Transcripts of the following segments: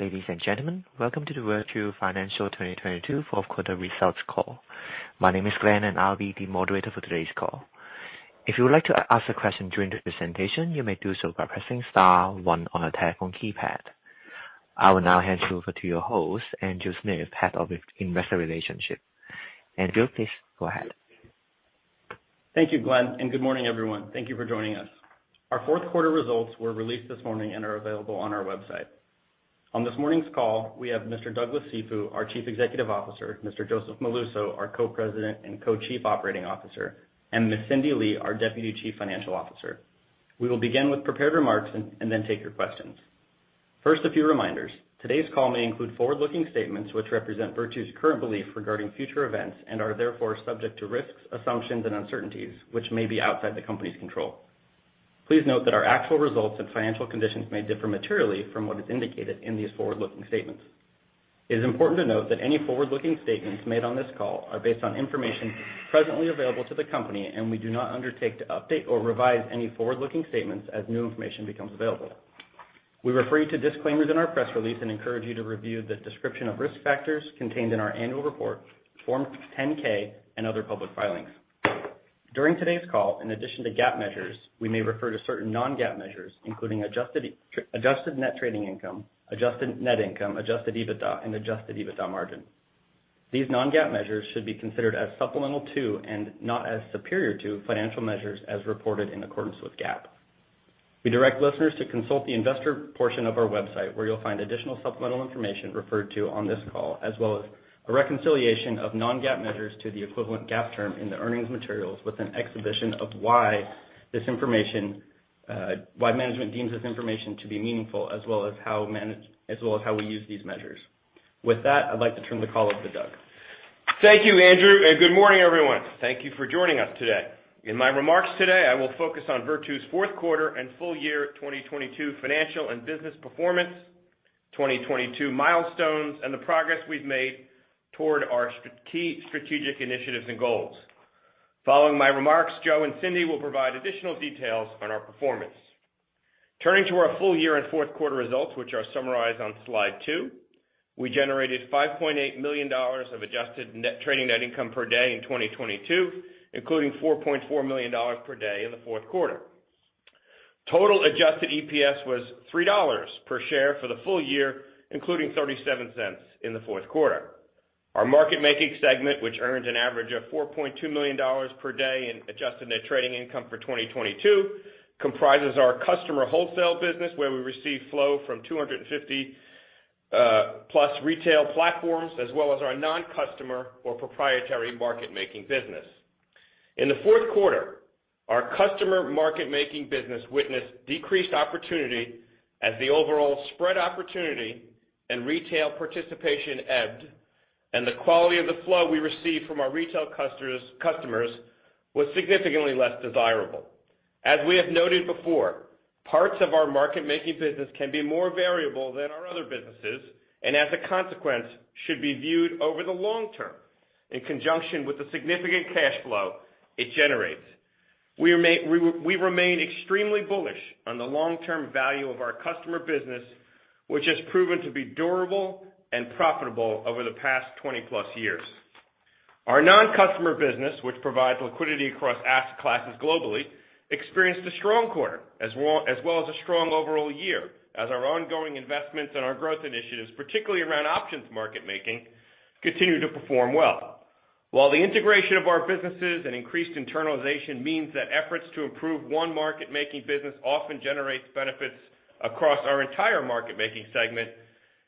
Ladies and gentlemen, welcome to the Virtu Financial 2022 4th Quarter Results Call. My name is Glenn and I'll be the moderator for today's call. If you would like to ask a question during the presentation, you may do so by pressing star one on a telephone keypad. I will now hand you over to your host, Andrew Smith, Head of Investor Relations. Andrew, please go ahead. Thank you, Glenn. Good morning, everyone. Thank you for joining us. Our fourth quarter results were released this morning and are available on our website. On this morning's call, we have Mr. Douglas Cifu, our Chief Executive Officer, Mr. Joseph Molluso, our Co-President and Co-Chief Operating Officer, and Ms. Cindy Lee, our Deputy Chief Financial Officer. We will begin with prepared remarks and then take your questions. First, a few reminders. Today's call may include forward-looking statements which represent Virtu's current belief regarding future events and are therefore subject to risks, assumptions, and uncertainties which may be outside the company's control. Please note that our actual results and financial conditions may differ materially from what is indicated in these forward-looking statements. It is important to note that any forward-looking statements made on this call are based on information presently available to the company, and we do not undertake to update or revise any forward-looking statements as new information becomes available. We refer you to disclaimers in our press release and encourage you to review the description of risk factors contained in our annual report, Form 10-K and other public filings. During today's call, in addition to GAAP measures, we may refer to certain non-GAAP measures, including Adjusted Net Trading Income, Adjusted Net Income, Adjusted EBITDA, and Adjusted EBITDA Margin. These non-GAAP measures should be considered as supplemental to and not as superior to financial measures as reported in accordance with GAAP. We direct listeners to consult the investor portion of our website, where you'll find additional supplemental information referred to on this call, as well as a reconciliation of non-GAAP measures to the equivalent GAAP term in the earnings materials with an exhibition of why this information, why management deems this information to be meaningful, as well as how we use these measures. With that, I'd like to turn the call over to Doug. Thank you, Andrew, and good morning, everyone. Thank you for joining us today. In my remarks today, I will focus on Virtu's fourth quarter and full year 2022 financial and business performance, 2022 milestones, and the progress we've made toward our key strategic initiatives and goals. Following my remarks, Joe and Cindy will provide additional details on our performance. Turning to our full year and fourth quarter results, which are summarized on slide two, we generated $5.8 million of Adjusted Net Trading Income per day in 2022, including $4.4 million per day in the fourth quarter. Total Adjusted EPS was $3 per share for the full year, including $0.37 in the fourth quarter. Our market making segment, which earned an average of $4.2 million per day in Adjusted Net Trading Income for 2022, comprises our customer wholesale business, where we receive flow from 250+ retail platforms, as well as our non-customer or proprietary market making business. In the fourth quarter, our customer market making business witnessed decreased opportunity as the overall spread opportunity and retail participation ebbed, and the quality of the flow we received from our retail customers was significantly less desirable. As we have noted before, parts of our market-making business can be more variable than our other businesses and, as a consequence, should be viewed over the long term in conjunction with the significant cash flow it generates. We remain extremely bullish on the long-term value of our customer business, which has proven to be durable and profitable over the past 20+ years. Our non-customer business, which provides liquidity across asset classes globally, experienced a strong quarter as well as a strong overall year, as our ongoing investments in our growth initiatives, particularly around options market making, continue to perform well. While the integration of our businesses and increased internalization means that efforts to improve one market making business often generates benefits across our entire market making segment,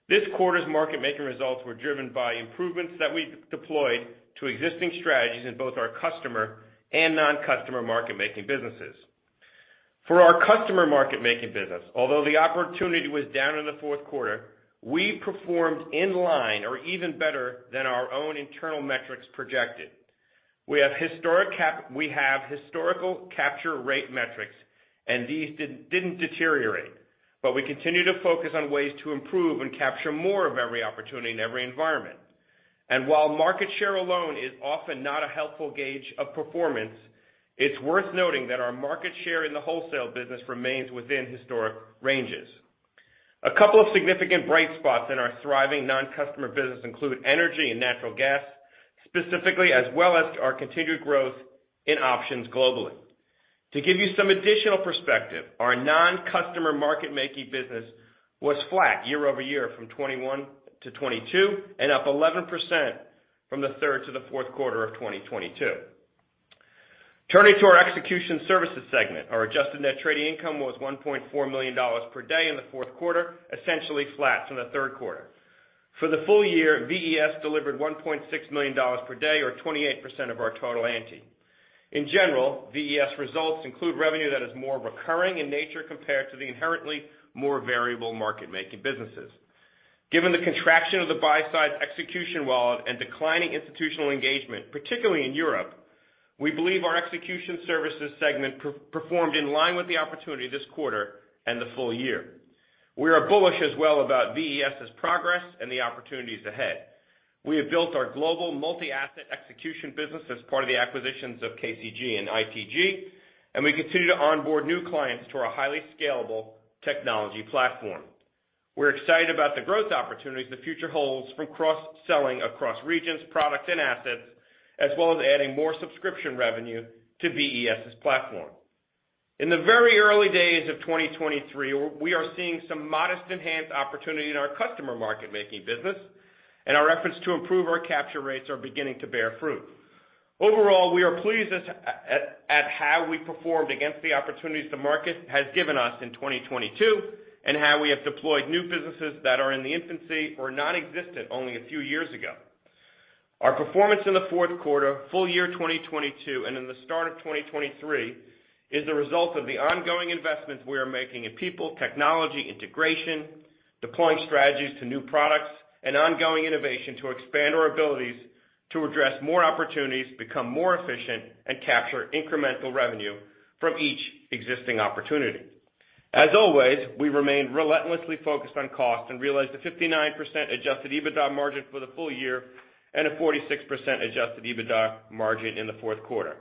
this quarter's market making results were driven by improvements that we deployed to existing strategies in both our customer and non-customer market making businesses. For our customer market making business, although the opportunity was down in the fourth quarter, we performed in line or even better than our own internal metrics projected. We have historical capture rate metrics and these didn't deteriorate. We continue to focus on ways to improve and capture more of every opportunity in every environment. While market share alone is often not a helpful gauge of performance, it's worth noting that our market share in the wholesale business remains within historic ranges. A couple of significant bright spots in our thriving non-customer business include energy and natural gas specifically, as well as our continued growth in options globally. To give you some additional perspective, our non-customer market making business was flat year-over-year from 21 to 22 and up 11% from the third to the fourth quarter of 2022. Turning to our execution services segment, our Adjusted Net Trading Income was $1.4 million per day in the fourth quarter, essentially flat from the third quarter. For the full year, VES delivered $1.6 million per day or 28% of our total ante. In general, VES results include revenue that is more recurring in nature compared to the inherently more variable market-making businesses. Given the contraction of the buy-side execution wallet and declining institutional engagement, particularly in Europe, we believe our execution services segment performed in line with the opportunity this quarter and the full year. We are bullish as well about VES's progress and the opportunities ahead. We have built our global multi-asset execution business as part of the acquisitions of KCG and ITG, we continue to onboard new clients to our highly scalable technology platform. We're excited about the growth opportunities the future holds from cross-selling across regions, products, and assets, as well as adding more subscription revenue to VES's platform. In the very early days of 2023, we are seeing some modest enhanced opportunity in our customer market making business. Our efforts to improve our capture rates are beginning to bear fruit. Overall, we are pleased at how we performed against the opportunities the market has given us in 2022. How we have deployed new businesses that are in the infancy or non-existent only a few years ago. Our performance in the fourth quarter, full year 2022, in the start of 2023 is the result of the ongoing investments we are making in people, technology, integration, deploying strategies to new products, and ongoing innovation to expand our abilities to address more opportunities, become more efficient, and capture incremental revenue from each existing opportunity. As always, we remain relentlessly focused on cost and realized a 59% Adjusted EBITDA Margin for the full year and a 46% Adjusted EBITDA Margin in the fourth quarter.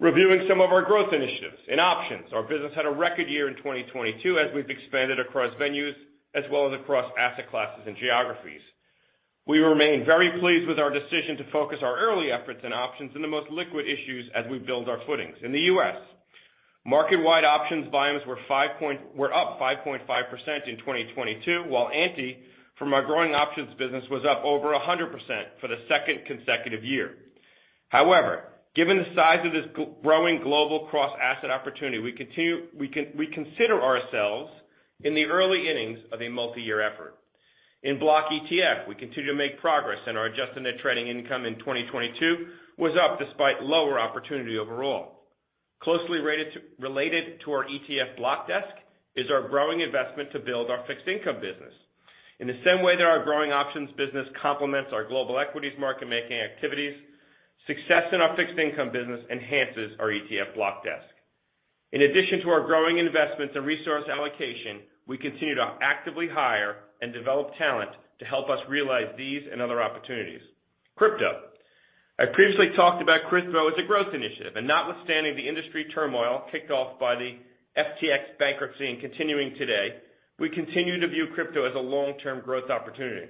Reviewing some of our growth initiatives. In options, our business had a record year in 2022 as we've expanded across venues as well as across asset classes and geographies. We remain very pleased with our decision to focus our early efforts and options in the most liquid issues as we build our footings. In the U.S., market-wide options volumes were up 5.5% in 2022, while Ante, from our growing options business, was up over 100% for the second consecutive year. Given the size of this growing global cross-asset opportunity, we consider ourselves in the early innings of a multi-year effort. In block ETF, we continue to make progress, and our Adjusted Net Trading Income in 2022 was up despite lower opportunity overall. Closely related to our ETF block desk is our growing investment to build our fixed income business. In the same way that our growing options business complements our global equities market making activities, success in our fixed income business enhances our ETF block desk. In addition to our growing investments and resource allocation, we continue to actively hire and develop talent to help us realize these and other opportunities. Crypto. I previously talked about crypto as a growth initiative, and notwithstanding the industry turmoil kicked off by the FTX bankruptcy and continuing today, we continue to view crypto as a long-term growth opportunity.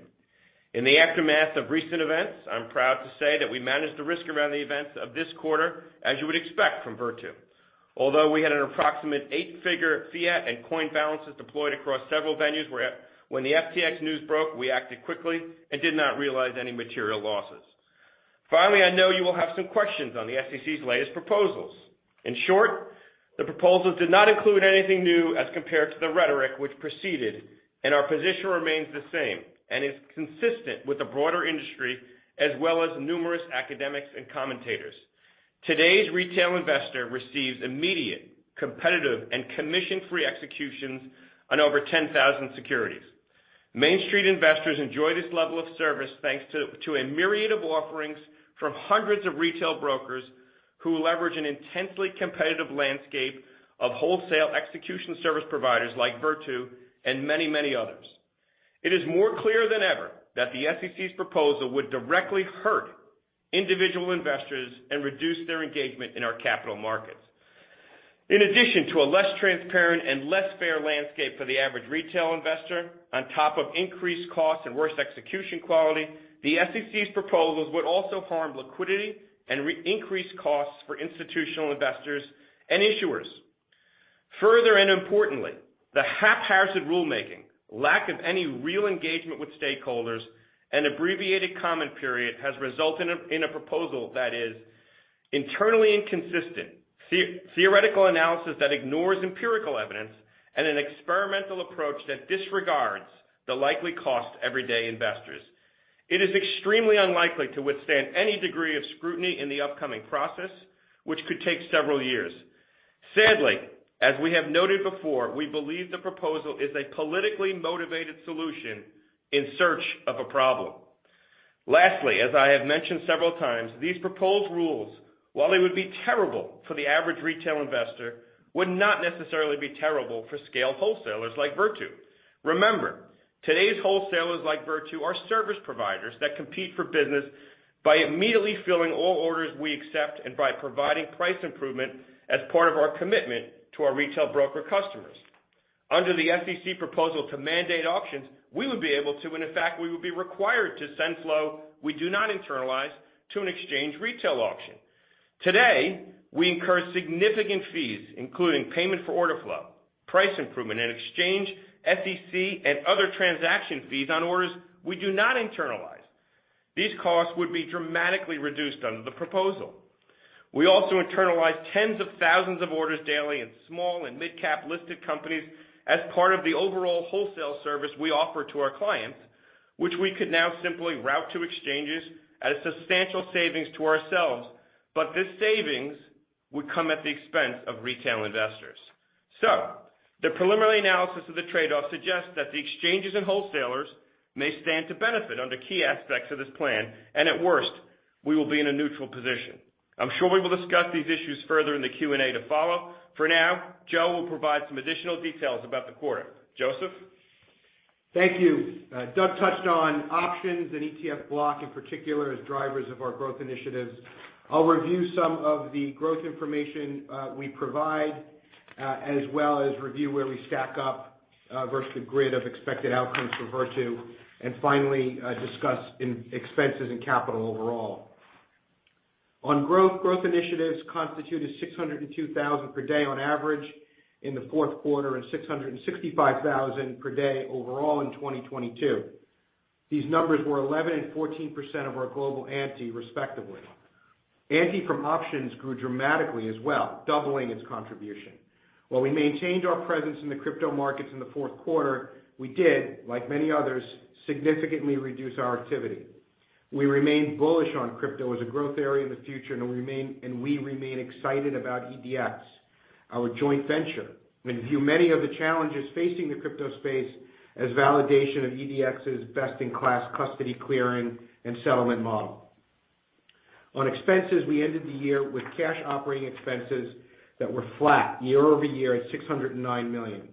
In the aftermath of recent events, I'm proud to say that we managed the risk around the events of this quarter as you would expect from Virtu. Although we had an approximate eight-figure fiat and coin balances deployed across several venues, where when the FTX news broke, we acted quickly and did not realize any material losses. Finally, I know you will have some questions on the SEC's latest proposals. In short, the proposals did not include anything new as compared to the rhetoric which proceeded, and our position remains the same and is consistent with the broader industry as well as numerous academics and commentators. Today's retail investor receives immediate, competitive, and commission-free executions on over 10,000 securities. Main Street investors enjoy this level of service thanks to a myriad of offerings from hundreds of retail brokers who leverage an intensely competitive landscape of wholesale execution service providers like Virtu and many, many others. It is more clear than ever that the SEC's proposal would directly hurt individual investors and reduce their engagement in our capital markets. In addition to a less transparent and less fair landscape for the average retail investor, on top of increased costs and worse execution quality, the SEC's proposals would also harm liquidity and re-increase costs for institutional investors and issuers. Further, and importantly, the haphazard rulemaking, lack of any real engagement with stakeholders, and abbreviated comment period has resulted in a proposal that is internally inconsistent, theoretical analysis that ignores empirical evidence, and an experimental approach that disregards the likely cost to everyday investors. It is extremely unlikely to withstand any degree of scrutiny in the upcoming process, which could take several years. Sadly, as we have noted before, we believe the proposal is a politically motivated solution in search of a problem. As I have mentioned several times, these proposed rules, while they would be terrible for the average retail investor, would not necessarily be terrible for scale wholesalers like Virtu. Remember, today's wholesalers like Virtu are service providers that compete for business by immediately filling all orders we accept and by providing price improvement as part of our commitment to our retail broker customers. Under the SEC proposal to mandate auctions, we would be able to, and in fact, we would be required to send flow we do not internalize to an exchange retail auction. Today, we incur significant fees, including payment for order flow, price improvement, and exchange SEC and other transaction fees on orders we do not internalize. These costs would be dramatically reduced under the proposal. We also internalize tens of thousands of orders daily in small and midcap-listed companies as part of the overall wholesale service we offer to our clients, but this savings would come at the expense of retail investors. The preliminary analysis of the trade-off suggests that the exchanges and wholesalers may stand to benefit under key aspects of this plan, and at worst- We will be in a neutral position. I'm sure we will discuss these issues further in the Q&A to follow. For now, Joe will provide some additional details about the quarter. Joseph? Thank you. Doug touched on options and ETF block in particular as drivers of our growth initiatives. I'll review some of the growth information we provide, as well as review where we stack up vs the grid of expected outcomes for Virtu. Finally, discuss in-expenses and capital overall. On growth initiatives constituted $602,000 per day on average in the fourth quarter and $665,000 per day overall in 2022. These numbers were 11% and 14% of our global ante respectively. Ante from options grew dramatically as well, doubling its contribution. While we maintained our presence in the crypto markets in the fourth quarter, we did, like many others, significantly reduce our activity. We remain bullish on crypto as a growth area in the future, and we remain excited about EDX, our joint venture. We view many of the challenges facing the crypto space as validation of EDX's best-in-class custody clearing and settlement model. On expenses, we ended the year with cash operating expenses that were flat year-over-year at $609 million.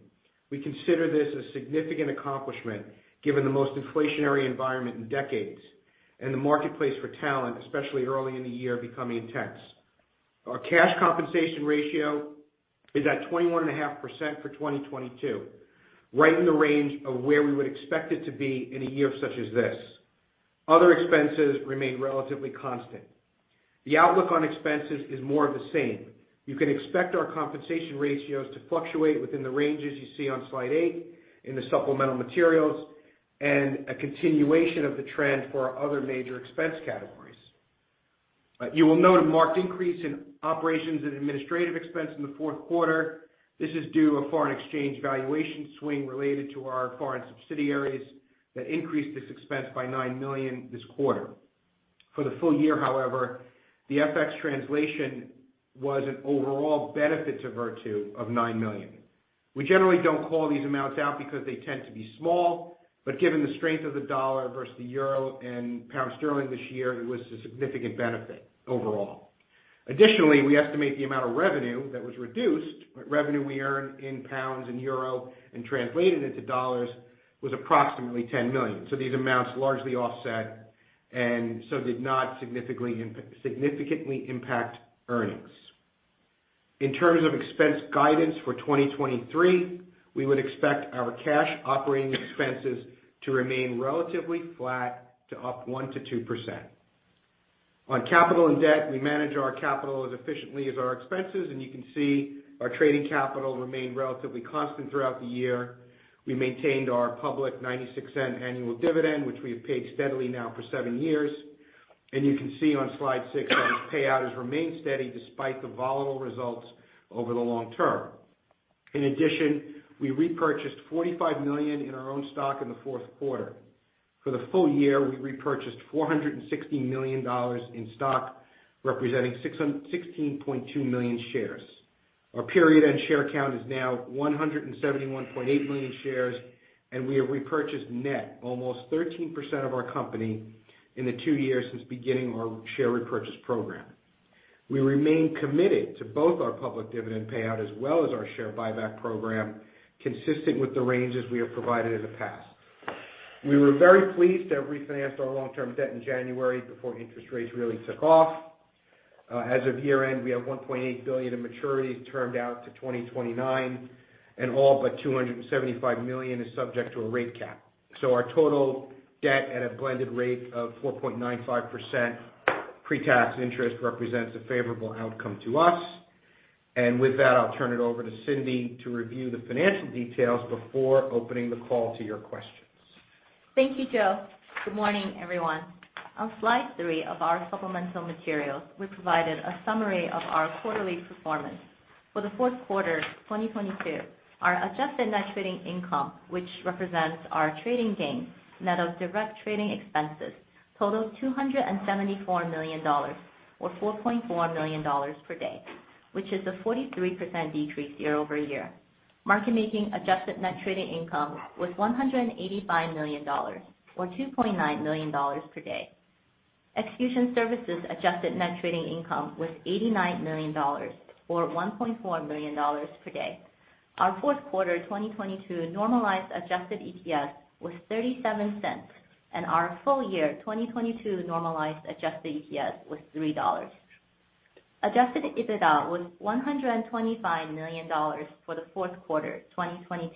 We consider this a significant accomplishment given the most inflationary environment in decades and the marketplace for talent, especially early in the year, becoming intense. Our cash compensation ratio is at 21.5% for 2022, right in the range of where we would expect it to be in a year such as this. Other expenses remain relatively constant. The outlook on expenses is more of the same. You can expect our compensation ratios to fluctuate within the ranges you see on slide 8 in the supplemental materials and a continuation of the trend for our other major expense categories. You will note a marked increase in operations and administrative expense in the fourth quarter. This is due a foreign exchange valuation swing related to our foreign subsidiaries that increased this expense by $9 million this quarter. For the full year, however, the FX translation was an overall benefit to Virtu of $9 million. We generally don't call these amounts out because they tend to be small, but given the strength of the dollar vs the euro and pound sterling this year, it was a significant benefit overall. Additionally, we estimate the amount of revenue that was reduced, revenue we earned in pounds and euro and translated into dollars, was approximately $10 million. These amounts largely offset and did not significantly impact earnings. In terms of expense guidance for 2023, we would expect our cash operating expenses to remain relatively flat to up 1%-2%. On capital and debt, we manage our capital as efficiently as our expenses. You can see our trading capital remained relatively constant throughout the year. We maintained our public $0.96 annual dividend, which we have paid steadily now for seven years. You can see on slide 6 that this payout has remained steady despite the volatile results over the long term. In addition, we repurchased $45 million in our own stock in the fourth quarter. For the full year, we repurchased $460 million in stock, representing 16.2 million shares. Our period end share count is now 171.8 million shares. We have repurchased net almost 13% of our company in the two years since beginning our share repurchase program. We remain committed to both our public dividend payout as well as our share buyback program, consistent with the ranges we have provided in the past. We were very pleased to have refinanced our long-term debt in January before interest rates really took off. As of year-end, we have $1.8 billion in maturities termed out to 2029. All but $275 million is subject to a rate cap. Our total debt at a blended rate of 4.95% pretax interest represents a favorable outcome to us. With that, I'll turn it over to Cindy to review the financial details before opening the call to your questions. Thank you, Joe. Good morning, everyone. On slide 3 of our supplemental materials, we provided a summary of our quarterly performance. For the fourth quarter 2022, our Adjusted Net Trading Income, which represents our trading gains, net of direct trading expenses, totaled $274 million or $4.4 million per day, which is a 43% decrease year-over-year. Market making Adjusted Net Trading Income was $185 million or $2.9 million per day. Execution services Adjusted Net Trading Income was $89 million or $1.4 million per day. Our fourth quarter 2022 normalized Adjusted EPS was $0.37, and our full year 2022 normalized Adjusted EPS was $3. Adjusted EBITDA was $125 million for the fourth quarter 2022,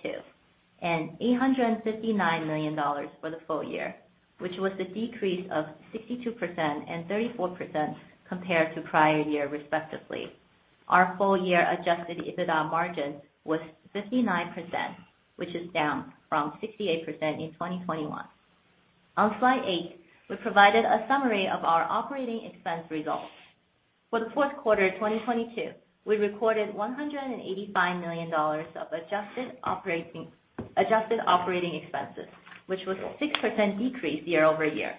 and $859 million for the full year, which was a decrease of 62% and 34% compared to prior year respectively. Our full year Adjusted EBITDA Margin was 59%, which is down from 68% in 2021. On slide 8, we provided a summary of our operating expense results. For the fourth quarter 2022, we recorded $185 million of adjusted operating expenses, which was a 6% decrease year-over-year.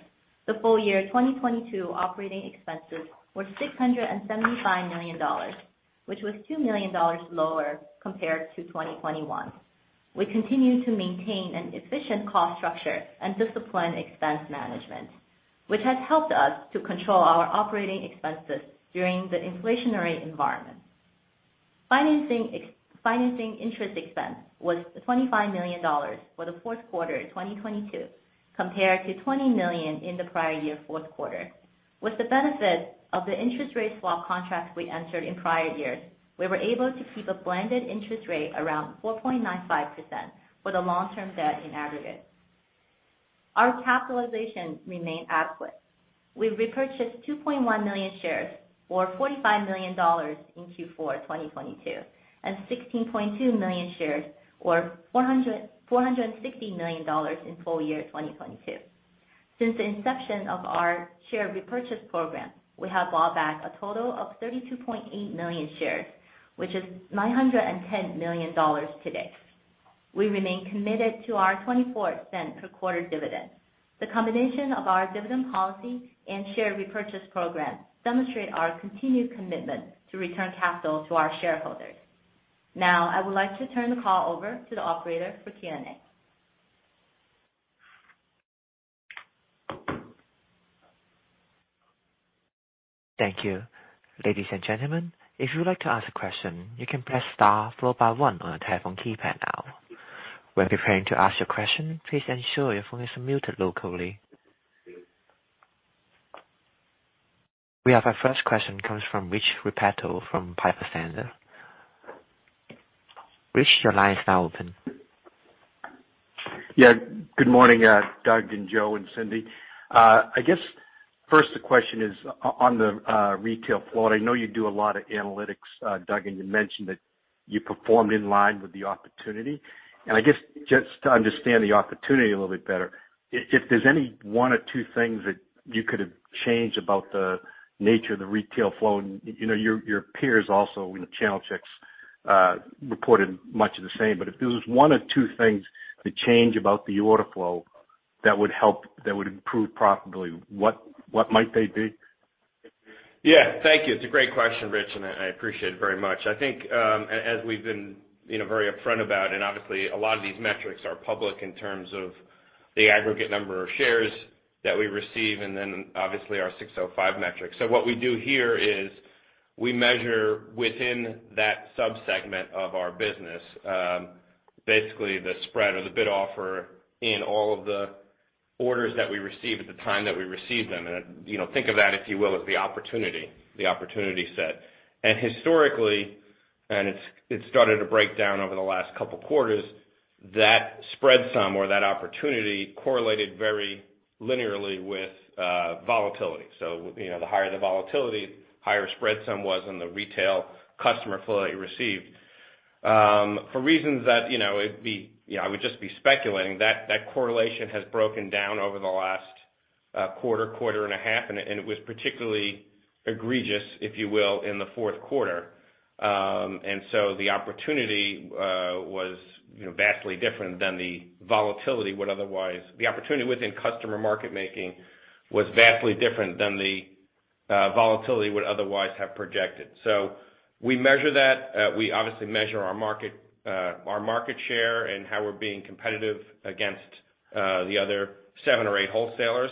The full year 2022 operating expenses were $675 million, which was $2 million lower compared to 2021. We continue to maintain an efficient cost structure and disciplined expense management, which has helped us to control our operating expenses during the inflationary environment. Financing ex-financing interest expense was $25 million for the fourth quarter 2022 compared to $20 million in the prior year fourth quarter. With the benefit of the interest rate swap contract we entered in prior years, we were able to keep a blended interest rate around 4.95% for the long-term debt in aggregate. Our capitalization remained adequate. We repurchased 2.1 million shares, or $45 million in Q4 2022, and 16.2 million shares, or $460 million in full year 2022. Since the inception of our share repurchase program, we have bought back a total of 32.8 million shares, which is $910 million to date. We remain committed to our $0.24 per quarter dividend. The combination of our dividend policy and share repurchase program demonstrate our continued commitment to return capital to our shareholders. I would like to turn the call over to the operator for Q&A. Thank you. Ladies and gentlemen, if you would like to ask a question, you can press star four by one on your telephone keypad now. When preparing to ask your question, please ensure your phone is muted locally. We have our first question comes from Rich Repetto, from Piper Sandler. Rich, your line is now open. Yeah, good morning, Doug and Joe and Cindy. I guess first the question is on the retail flow. I know you do a lot of analytics, Doug, and you mentioned that you performed in line with the opportunity. I guess just to understand the opportunity a little bit better, if there's any one or two things that you could have changed about the nature of the retail flow. you know, your peers also in the channel checks, reported much of the same, but if there was one or two things to change about the order flow that would improve profitably, what might they be? Yeah, thank you. It's a great question, Rich, and I appreciate it very much. I think, as we've been, you know, very upfront about it, obviously a lot of these metrics are public in terms of the aggregate number of shares that we receive, and then obviously our Rule 605 metrics. What we do here is we measure within that subsegment of our business, basically the spread or the bid offer in all of the orders that we receive at the time that we receive them. You know, think of that, if you will, as the opportunity set. Historically, it's started to break down over the last couple quarters, that spread some or that opportunity correlated very linearly with volatility. You know, the higher the volatility, higher spread some was in the retail customer flow that you received. For reasons that, you know, I would just be speculating, that correlation has broken down over the last quarter and a half, and it was particularly egregious, if you will, in the fourth quarter. The opportunity was, you know, vastly different than the volatility would otherwise. The opportunity within customer market making was vastly different than the volatility would otherwise have projected. We measure that. We obviously measure our market, our market share and how we're being competitive against the other seven or eight wholesalers.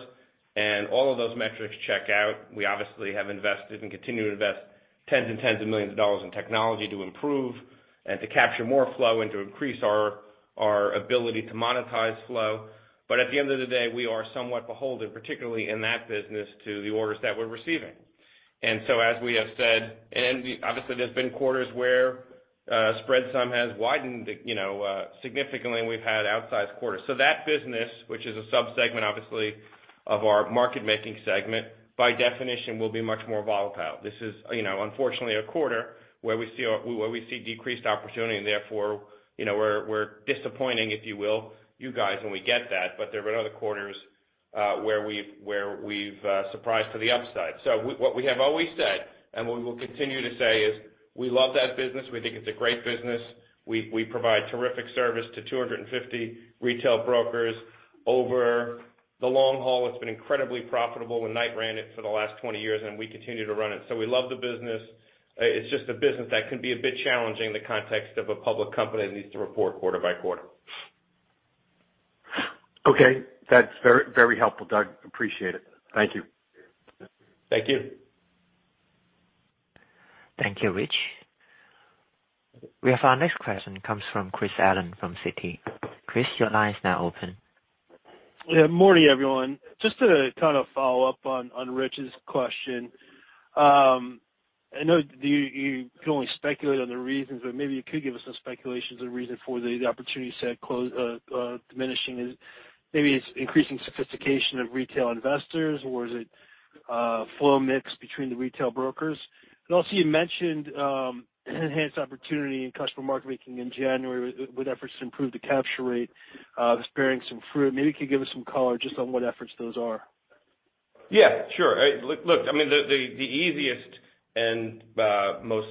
All of those metrics check out. We obviously have invested and continue to invest tens and tens of millions of dollars in technology to improve and to capture more flow and to increase our ability to monetize flow. At the end of the day, we are somewhat beholden, particularly in that business, to the orders that we're receiving. As we have said, and we obviously, there's been quarters where spread sum has widened, you know, significantly, and we've had outsized quarters. That business, which is a sub-segment obviously of our market making segment, by definition, will be much more volatile. This is, you know, unfortunately a quarter where we see decreased opportunity and therefore, you know, we're disappointing, if you will, you guys, and we get that. There have been other quarters where we've surprised to the upside. What we have always said, and what we will continue to say is we love that business. We think it's a great business. We provide terrific service to 250 retail brokers. Over the long haul, it's been incredibly profitable, and Knight ran it for the last 20 years, and we continue to run it. We love the business. It's just a business that can be a bit challenging in the context of a public company that needs to report quarter by quarter. Okay. That's very, very helpful, Doug. Appreciate it. Thank you. Thank you. Thank you, Rich. We have our next question, comes from Chris Allen from Citi. Chris, your line is now open. Morning, everyone. Just to kind of follow up on Rich's question. I know you can only speculate on the reasons, but maybe you could give us some speculations on the reason for the opportunity set diminishing. Maybe it's increasing sophistication of retail investors, or is it flow mix between the retail brokers? Also you mentioned enhanced opportunity in customer market making in January with efforts to improve the capture rate bearing some fruit. Maybe you could give us some color just on what efforts those are. Yeah, sure. Look, look, I mean, the easiest and most,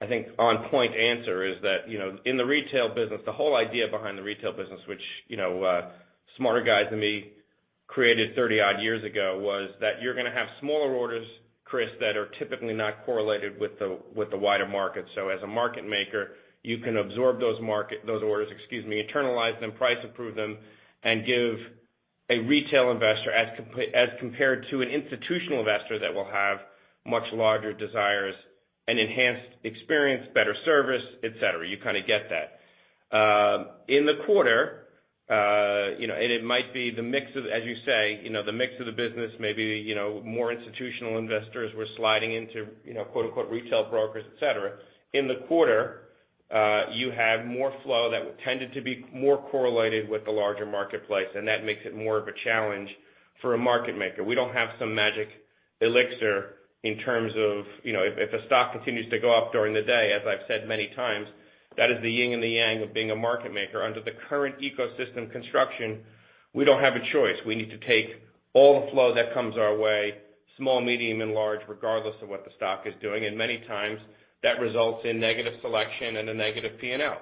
I think, on point answer is that, you know, in the retail business, the whole idea behind the retail business, which, you know, smarter guys than me created 30-odd years ago, was that you're gonna have smaller orders, Chris, that are typically not correlated with the wider market. As a market maker, you can absorb those orders, excuse me, internalize them, price improve them, and give a retail investor as compared to an institutional investor that will have much larger desires and enhanced experience, better service, et cetera. You kinda get that. In the quarter, you know, and it might be the mix of, as you say, you know, the mix of the business may be, you know, more institutional investors were sliding into, you know, quote-unquote, retail brokers, et cetera. In the quarter, you have more flow that tended to be more correlated with the larger marketplace, and that makes it more of a challenge for a market maker. We don't have some magic elixir in terms of, you know, if a stock continues to go up during the day, as I've said many times, that is the yin and the yang of being a market maker. Under the current ecosystem construction, we don't have a choice. We need to take all the flow that comes our way, small, medium, and large, regardless of what the stock is doing. Many times, that results in negative selection and a negative P&L,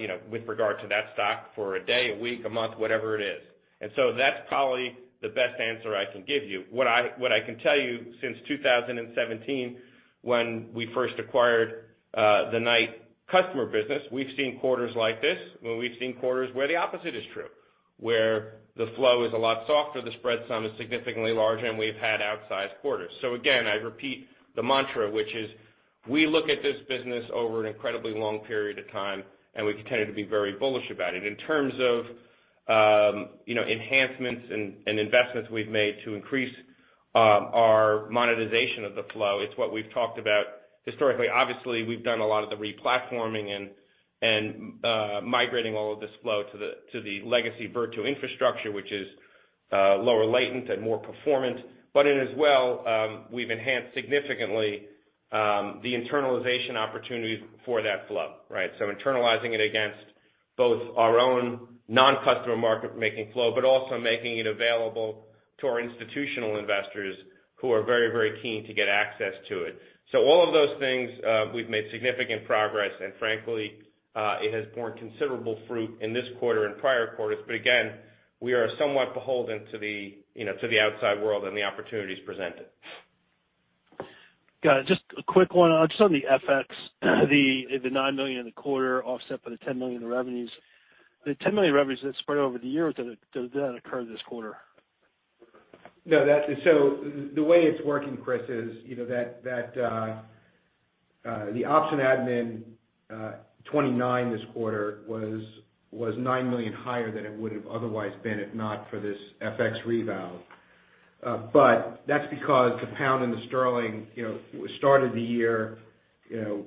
you know, with regard to that stock for a day, a week, a month, whatever it is. That's probably the best answer I can give you. What I can tell you, since 2017, when we first acquired the Knight customer business, we've seen quarters like this, when we've seen quarters where the opposite is true, where the flow is a lot softer, the spread sum is significantly larger, and we've had outsized quarters. Again, I repeat the mantra, which is, we look at this business over an incredibly long period of time, and we've tended to be very bullish about it. In terms of, you know, enhancements and investments we've made to increase our monetization of the flow. It's what we've talked about historically. Obviously, we've done a lot of the re-platforming and migrating all of this flow to the, to the legacy Virtu infrastructure, which is lower latent and more performant. In as well, we've enhanced significantly, the internalization opportunities for that flow, right? Internalizing it against both our own non-customer market making flow, but also making it available to our institutional investors who are very, very keen to get access to it. All of those things, we've made significant progress. Frankly, it has borne considerable fruit in this quarter and prior quarters. Again, we are somewhat beholden to the, you know, to the outside world and the opportunities presented. Got it. Just a quick one. Just on the FX, the $9 million in the quarter offset by the $10 million in revenues. The $10 million revenues that spread over the year, did that occur this quarter? No. That. The way it's working, Chris, is, you know, that the option admin 29 this quarter was $9 million higher than it would've otherwise been if not for this FX reval. That's because the pound and the sterling, you know, started the year, you know,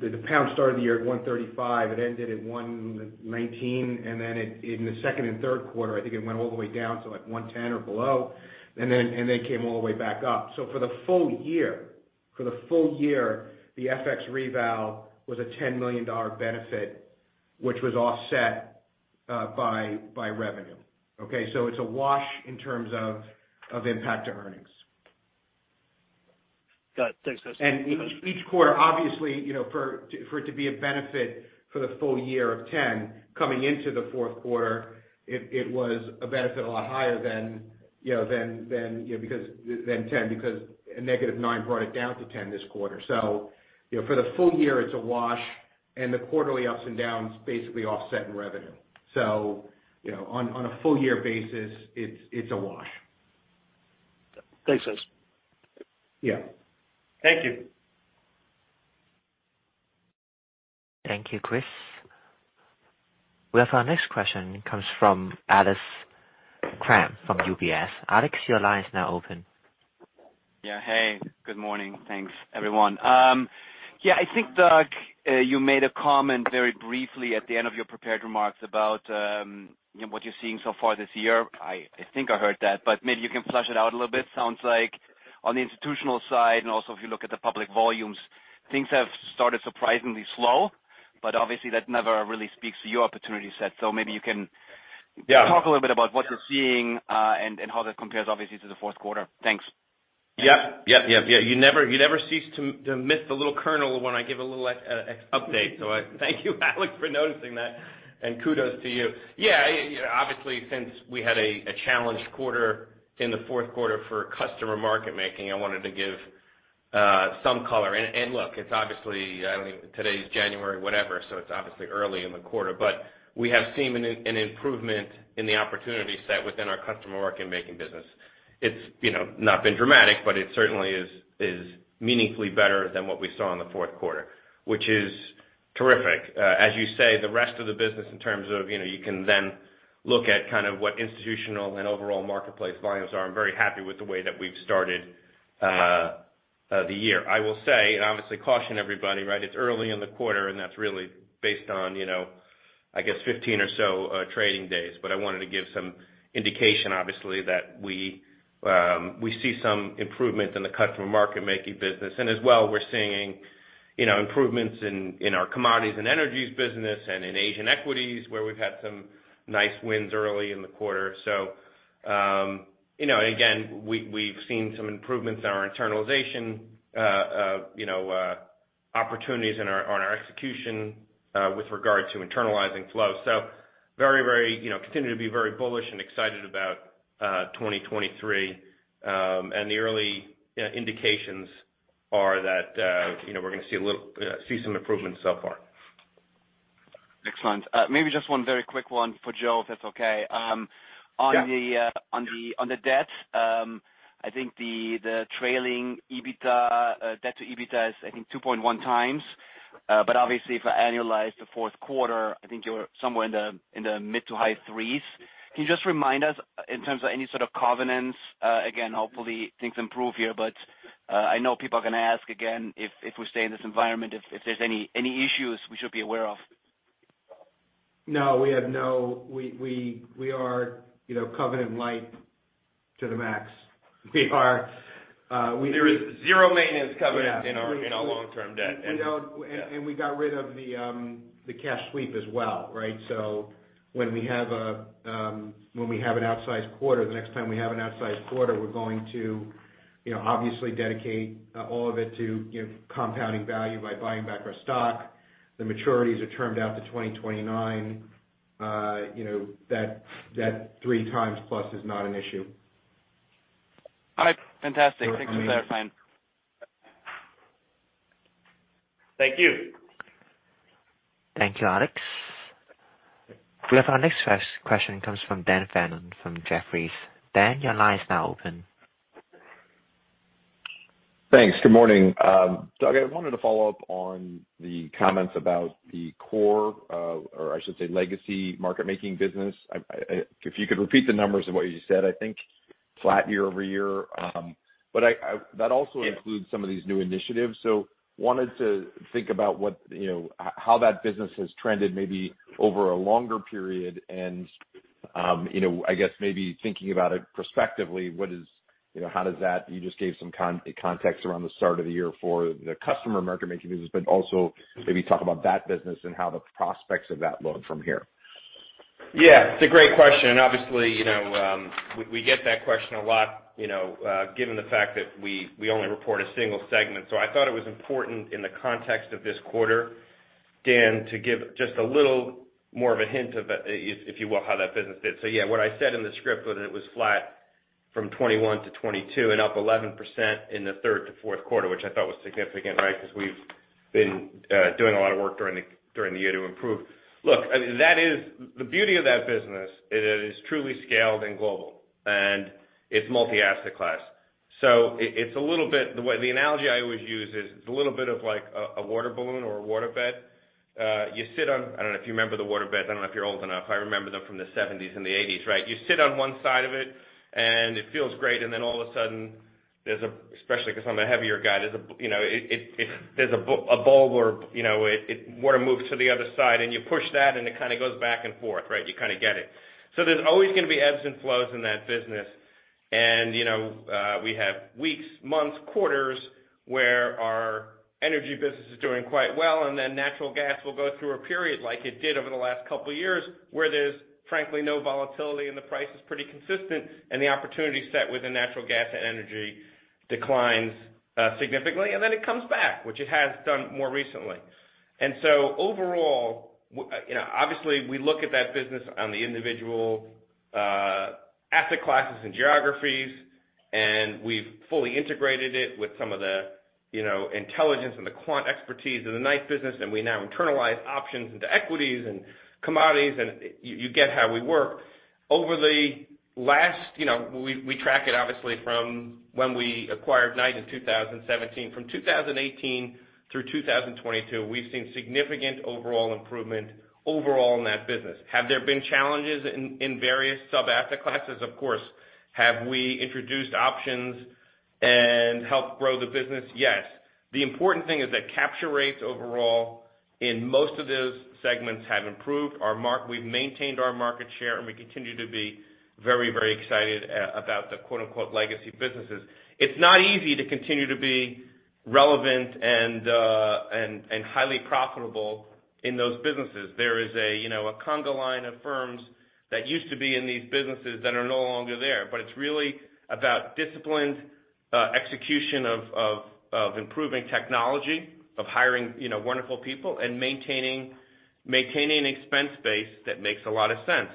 the pound started the year at 1.35. It ended at 1.19, and then it, in the second and third quarter, I think it went all the way down to, like, 1.10 or below, and then came all the way back up. For the full year, for the full year, the FX reval was a $10 million benefit, which was offset by revenue. Okay? It's a wash in terms of impact to earnings. Got it. Thanks, guys. Each quarter, obviously, you know, for it to be a benefit for the full year of 10 coming into the fourth quarter, it was a benefit a lot higher than, you know, because... Than 10, because a negative 9 brought it down to 10 this quarter. You know, for the full year, it's a wash, and the quarterly ups and downs basically offset in revenue. You know, on a full year basis, it's a wash. Thanks, guys. Yeah. Thank you. Thank you, Chris. We have our next question comes from Alex Kramm from UBS. Alex, your line is now open. Yeah. Hey, good morning. Thanks, everyone. Yeah, I think, Doug, you made a comment very briefly at the end of your prepared remarks about, you know, what you're seeing so far this year. I think I heard that, maybe you can flush it out a little bit. Sounds like on the institutional side, also if you look at the public volumes, things have started surprisingly slow, obviously, that never really speaks to your opportunity set. Maybe you can- Yeah. talk a little bit about what you're seeing, and how that compares, obviously, to the fourth quarter. Thanks. Yeah. Yep, yep. Yeah, you never cease to miss the little kernel when I give a little update. I thank you, Alex, for noticing that, and kudos to you. Obviously, since we had a challenged quarter in the fourth quarter for customer market making, I wanted to give some color. Look, it's obviously, I mean, today's January whatever, so it's obviously early in the quarter. We have seen an improvement in the opportunity set within our customer market making business. It's, you know, not been dramatic, but it certainly is meaningfully better than what we saw in the fourth quarter, which is terrific. As you say, the rest of the business in terms of, you know, you can then look at kind of what institutional and overall marketplace volumes are. I'm very happy with the way that we've started the year. I will say, obviously caution everybody, right? It's early in the quarter, that's really based on, you know, I guess, 15 or so trading days. I wanted to give some indication, obviously, that we see some improvement in the customer market making business. As well, we're seeing, you know, improvements in our commodities and energies business and in Asian equities, where we've had some nice wins early in the quarter. You know, again, we've seen some improvements in our internalization, you know, opportunities in our, on our execution, with regard to internalizing flow. Very, you know, continue to be very bullish and excited about 2023. The early indications are that, you know, we're gonna see some improvements so far. Excellent. maybe just one very quick one for Joe, if that's okay. Yeah. On the debt, I think the trailing EBITDA debt to EBITDA is 2.1x. Obviously if I annualize the fourth quarter, I think you're somewhere in the mid to high 3s. Can you just remind us in terms of any sort of covenants, again, hopefully things improve here, but I know people are gonna ask again if we stay in this environment, if there's any issues we should be aware of? No, we have no. We are, you know, covenant light to the max. There is 0 maintenance covenant- Yeah in our long-term debt. You know. Yeah. We got rid of the cash sweep as well, right? When we have a, when we have an outsized quarter, the next time we have an outsized quarter, we're going to, you know, obviously dedicate all of it to, you know, compounding value by buying back our stock. The maturities are termed out to 2029. You know, that 3 times+ is not an issue. All right. Fantastic. Thanks for clarifying. Thank you. Thank you, Alex. We have our next question comes from Dan Fannon from Jefferies. Dan, your line is now open. Thanks. Good morning. Doug, I wanted to follow up on the comments about the core, or I should say legacy market making business. If you could repeat the numbers of what you said. I think flat year-over-year. That also includes some of these new initiatives. Wanted to think about what, you know, how that business has trended maybe over a longer period. You know, I guess maybe thinking about it prospectively, what is, you know, how does that? You just gave some context around the start of the year for the customer market making business, but also maybe talk about that business and how the prospects of that look from here. Yeah, it's a great question. Obviously, you know, we get that question a lot, you know, given the fact that we only report a single segment. I thought it was important in the context of this quarter, Dan, to give just a little more of a hint of, if you will, how that business did. Yeah, what I said in the script was that it was flat from 21 to 22 and up 11% in the 3rd to 4th quarter, which I thought was significant, right? We've been doing a lot of work during the year to improve. Look, I mean, that is, the beauty of that business is it is truly scaled and global, and it's multi-asset class. It's a little bit the analogy I always use is it's a little bit of like a water balloon or a water bed. You sit on. I don't know if you remember the water bed. I don't know if you're old enough. I remember them from the 70s and the 80s, right? You sit on one side of it, and it feels great, and then all of a sudden, there's a. Especially because I'm a heavier guy, there's a, you know, it. There's a bowl where, you know, water moves to the other side, and you push that and it kind of goes back and forth, right? You kind of get it. There's always gonna be ebbs and flows in that business. you know, we have weeks, months, quarters where our energy business is doing quite well, then natural gas will go through a period like it did over the last couple of years, where there's frankly no volatility and the price is pretty consistent and the opportunity set within natural gas and energy declines significantly. Then it comes back, which it has done more recently. So overall, you know, obviously we look at that business on the individual asset classes and geographies, and we've fully integrated it with some of the, you know, intelligence and the quant expertise of the Knight business. And we now internalize options into equities and commodities. you get how we work. Over the last, you know, we track it obviously from when we acquired Knight in 2017. From 2018 through 2022, we've seen significant overall improvement in that business. Have there been challenges in various sub-asset classes? Of course. Have we introduced options and helped grow the business? Yes. The important thing is that capture rates overall in most of those segments have improved. We've maintained our market share, and we continue to be very excited about the quote-unquote legacy businesses. It's not easy to continue to be relevant and highly profitable in those businesses. There is a, you know, a conga line of firms that used to be in these businesses that are no longer there. It's really about disciplined execution of improving technology, of hiring, you know, wonderful people and maintaining an expense base that makes a lot of sense.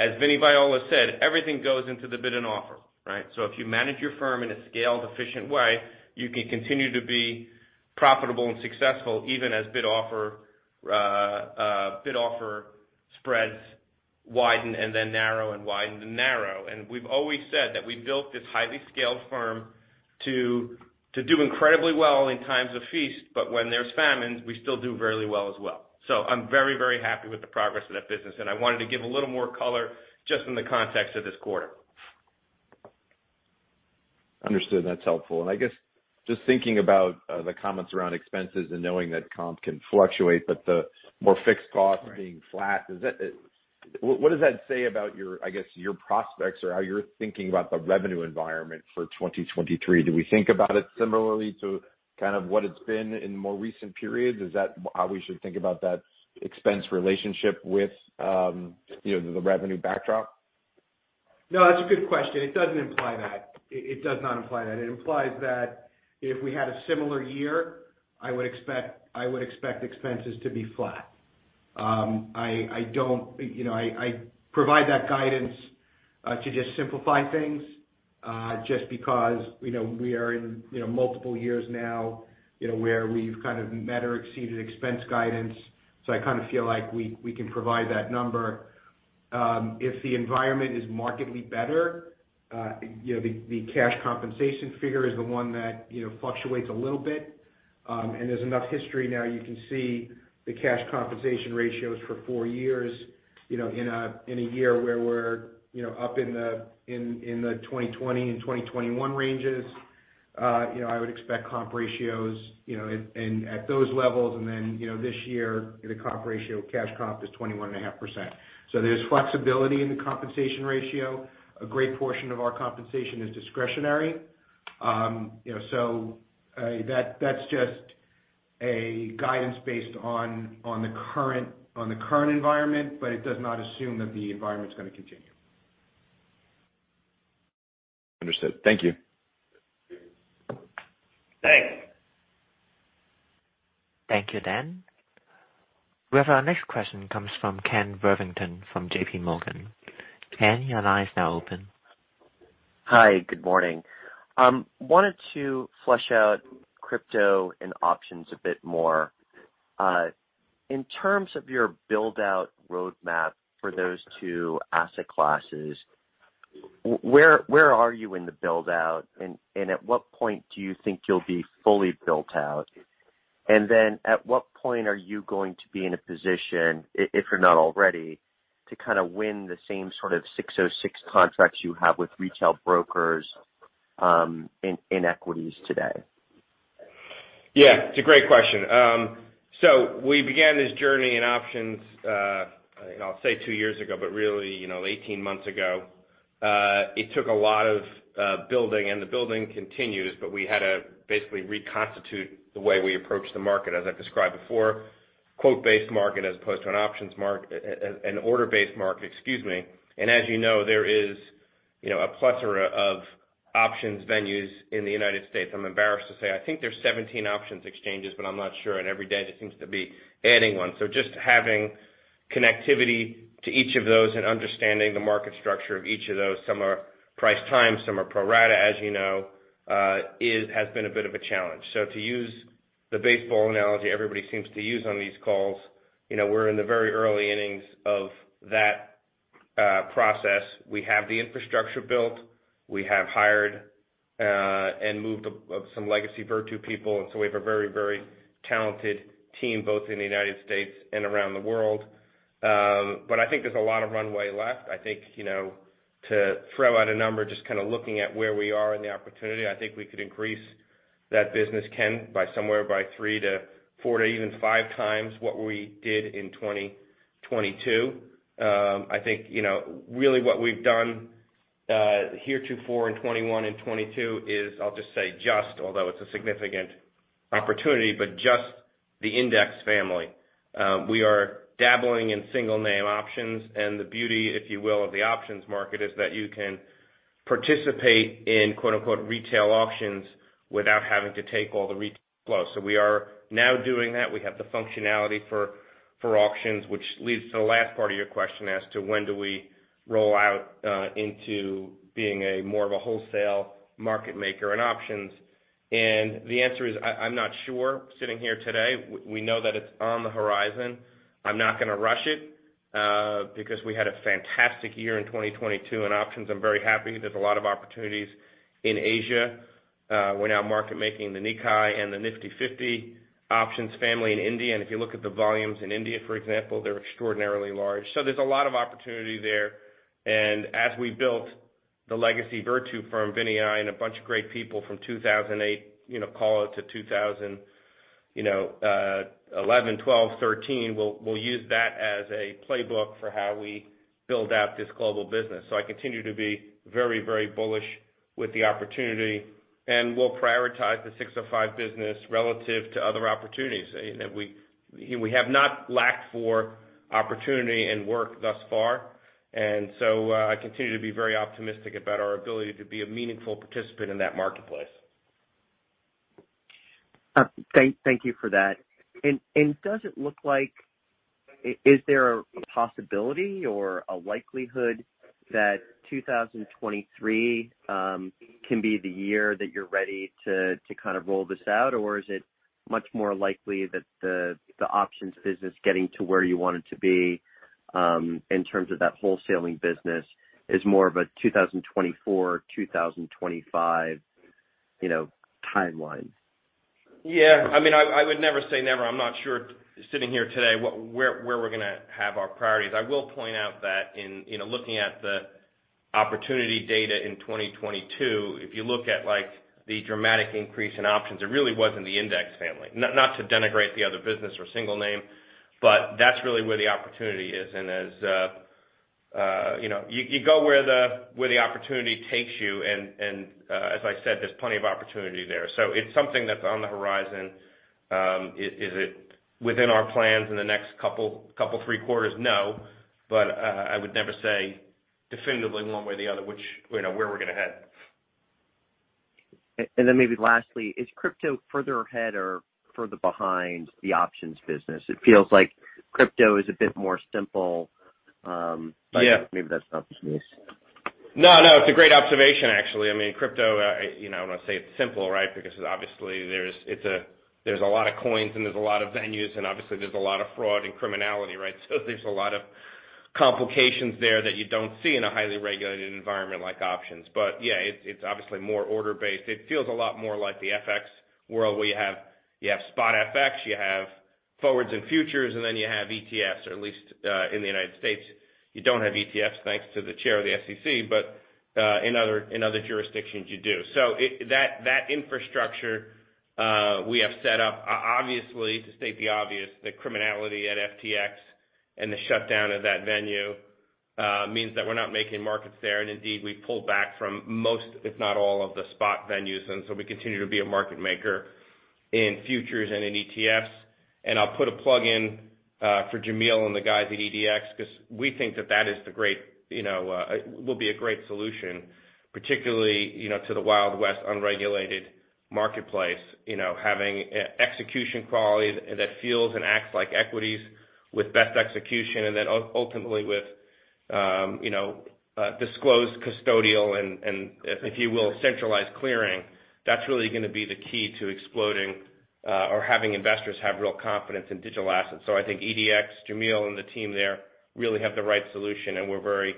As Vinnie Viola said, everything goes into the bid and offer, right? If you manage your firm in a scaled, efficient way, you can continue to be profitable and successful, even as bid offer spreads widen and then narrow and widen and narrow. We've always said that we built this highly scaled firm to do incredibly well in times of feast, but when there's famines, we still do fairly well as well. I'm very, very happy with the progress of that business, and I wanted to give a little more color just in the context of this quarter. Understood. That's helpful. I guess just thinking about, the comments around expenses and knowing that comp can fluctuate, but the more fixed costs being flat, what does that say about your, I guess, your prospects or how you're thinking about the revenue environment for 2023? Do we think about it similarly to kind of what it's been in more recent periods? Is that how we should think about that expense relationship with, you know, the revenue backdrop? No, that's a good question. It doesn't imply that. It does not imply that. It implies that if we had a similar year, I would expect expenses to be flat. I don't. You know, I provide that guidance to just simplify things just because, you know, we are in, you know, multiple years now, you know, where we've kind of met or exceeded expense guidance. I kinda feel like we can provide that number. If the environment is markedly better, you know, the cash compensation figure is the one that, you know, fluctuates a little bit. And there's enough history now you can see the cash compensation ratios for four years, you know, in a year where we're, you know, up in the 2020 and 2021 ranges. you know, I would expect comp ratios, you know, and at those levels, and then, you know, this year, the comp ratio cash comp is 21.5%. There's flexibility in the compensation ratio. A great portion of our compensation is discretionary. you know, so that's just a guidance based on the current environment, but it does not assume that the environment's gonna continue. Understood. Thank you. Thanks. Thank you, Dan. We have our next question comes from Ken Worthington from JPMorgan. Ken, your line is now open. Hi, good morning. Wanted to flush out crypto and options a bit more. In terms of your build-out roadmap for those two asset classes, where are you in the build-out, and at what point do you think you'll be fully built out? At what point are you going to be in a position, if you're not already, to kinda win the same sort of 606 contracts you have with retail brokers, in equities today? Yeah, it's a great question. We began this journey in options, I'll say two years ago, but really, you know, 18 months ago. It took a lot of building, and the building continues, but we had to basically reconstitute the way we approach the market as I've described before, quote-based market as opposed to an order-based market, excuse me. As you know, there is, you know, a plethora of options venues in the United States. I'm embarrassed to say, I think there's 17 options exchanges, but I'm not sure, and every day just seems to be adding one. Just having connectivity to each of those and understanding the market structure of each of those, some are price-time, some are pro rata, as you know, has been a bit of a challenge. To use the baseball analogy everybody seems to use on these calls, you know, we're in the very early innings of that process. We have the infrastructure built. We have hired and moved of some legacy Virtu people, and so we have a very, very talented team, both in the United States and around the world. I think there's a lot of runway left. I think, you know, to throw out a number, just kinda looking at where we are in the opportunity, I think we could increase that business, Ken, by somewhere by three to four to even five times what we did in 2022. I think, you know, really what we've done heretofore in 2021 and 2022 is, I'll just say just, although it's a significant opportunity, but just the index family. We are dabbling in single name options, and the beauty, if you will, of the options market is that you can participate in quote-unquote retail options without having to take all the retail flow. We are now doing that. We have the functionality for options, which leads to the last part of your question as to when do we roll out into being a more of a wholesale market maker in options. The answer is, I'm not sure sitting here today. We know that it's on the horizon. I'm not gonna rush it because we had a fantastic year in 2022 in options. I'm very happy. There's a lot of opportunities in Asia. We're now market making the Nikkei and the Nifty 50 options family in India. If you look at the volumes in India, for example, they're extraordinarily large. There's a lot of opportunity there. As we built the legacy Virtu firm, Vinny and I and a bunch of great people from 2008, you know, call it to 2011, 2012, 2013, we'll use that as a playbook for how we build out this global business. I continue to be very, very bullish with the opportunity, and we'll prioritize the 605 business relative to other opportunities. You know, we have not lacked for opportunity and work thus far. I continue to be very optimistic about our ability to be a meaningful participant in that marketplace. Thank you for that. Does it look like, is there a possibility or a likelihood that 2023 can be the year that you're ready to kind of roll this out? Or is it much more likely that the options business getting to where you want it to be in terms of that wholesaling business, is more of a 2024, 2025, you know, timeline? Yeah. I mean, I would never say never. I'm not sure sitting here today where we're gonna have our priorities. I will point out that in, you know, looking at the opportunity data in 2022, if you look at, like, the dramatic increase in options, it really was in the index family. Not to denigrate the other business or single name, that's really where the opportunity is. As, you know, you go where the opportunity takes you and, as I said, there's plenty of opportunity there. It's something that's on the horizon. Is it within our plans in the next couple three quarters? No. I would never say definitively one way or the other, which, you know, where we're gonna head. Maybe lastly, is crypto further ahead or further behind the options business? It feels like crypto is a bit more simple. Yeah. Maybe that's not the case. No, no, it's a great observation, actually. I mean, crypto, you know, I don't wanna say it's simple, right? Because obviously there's a lot of coins, and there's a lot of venues, and obviously there's a lot of fraud and criminality, right? There's a lot of complications there that you don't see in a highly regulated environment like options. Yeah, it's obviously more order-based. It feels a lot more like the FX world, where you have, you have spot FX, you have forwards and futures, and then you have ETFs, or at least, in the United States, you don't have ETFs, thanks to the chair of the SEC, but, in other jurisdictions, you do. That infrastructure, we have set up. Obviously, to state the obvious, the criminality at FTX and the shutdown of that venue means that we're not making markets there. Indeed, we pulled back from most, if not all, of the spot venues. So we continue to be a market maker in futures and in ETFs. I'll put a plug in for Jamil and the guys at EDX 'cause we think that that is the great, you know, will be a great solution, particularly, you know, to the Wild West unregulated marketplace, you know. Having e-execution quality that feels and acts like equities with best execution and then ultimately with, you know, disclosed custodial and if you will, centralized clearing, that's really gonna be the key to exploding, or having investors have real confidence in digital assets. I think EDX, Jamil and the team there really have the right solution, and we're very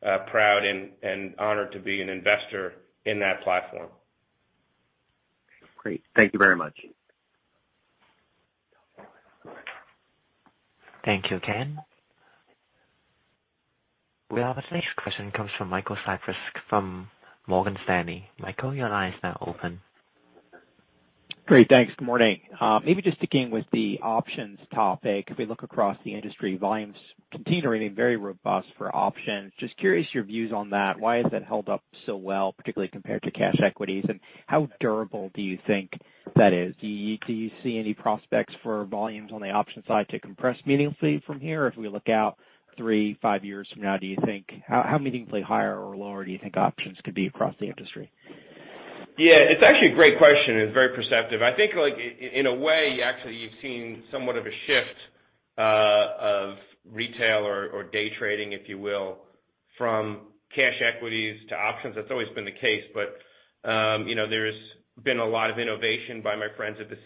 proud and honored to be an investor in that platform. Great. Thank you very much. Thank you, Ken. The next question comes from Michael Cyprys from Morgan Stanley. Michael, your line is now open. Great. Thanks. Good morning. maybe just sticking with the options topic. If we look across the industry, volumes continuing to be very robust for options. Just curious your views on that. Why has that held up so well, particularly compared to cash equities, and how durable do you think that is? Do you see any prospects for volumes on the options side to compress meaningfully from here if we look out three, five years from now? How meaningfully higher or lower do you think options could be across the industry? Yeah, it's actually a great question, and it's very perceptive. I think, like, in a way, actually, you've seen somewhat of a shift of retail or day trading, if you will, from cash equities to options. That's always been the case. But, you know, there's been a lot of innovation by my friends at the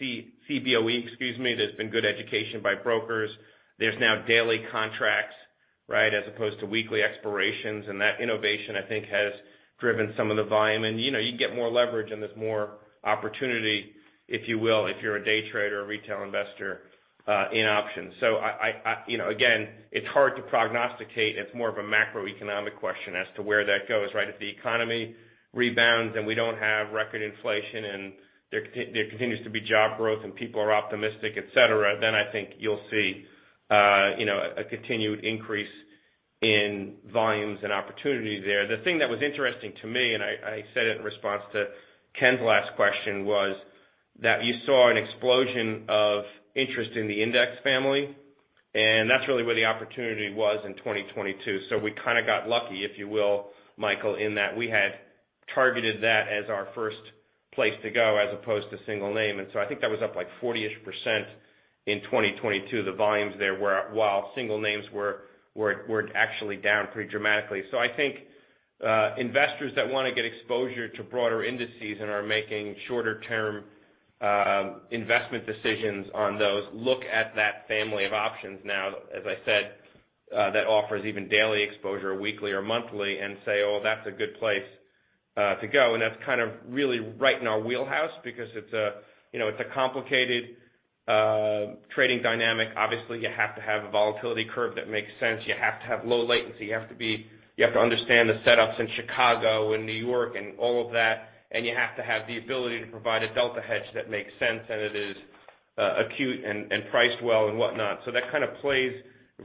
Cboe, excuse me. There's been good education by brokers. There's now daily contracts, right? As opposed to weekly expirations. And that innovation, I think, has driven some of the volume. And, you know, you get more leverage, and there's more opportunity, if you will, if you're a day trader or retail investor in options. So I... You know, again, it's hard to prognosticate. It's more of a macroeconomic question as to where that goes, right? If the economy rebounds, we don't have record inflation, there continues to be job growth, people are optimistic, et cetera, then I think you'll see, you know, a continued increase in volumes and opportunities there. The thing that was interesting to me, I said it in response to Ken Worthington's last question, was that you saw an explosion of interest in the Index family, that's really where the opportunity was in 2022. We kinda got lucky, if you will, Michael Cyprys, in that we had targeted that as our first place to go as opposed to single name. I think that was up, like, 40-ish% in 2022, the volumes there were, while single names were actually down pretty dramatically. rs that want to get exposure to broader indices and are making shorter term investment decisions on those look at that family of options now. As I said, that offers even daily exposure, weekly or monthly, and say, "Oh, that's a good place to go." And that's kind of really right in our wheelhouse because it's a, you know, it's a complicated trading dynamic. Obviously, you have to have a volatility curve that makes sense. You have to have low latency. You have to understand the setups in Chicago and New York and all of that. And you have to have the ability to provide a delta hedge that makes sense and it is acute and priced well and whatnot. That kind of plays